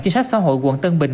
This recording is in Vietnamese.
chính sách xã hội quận tân bình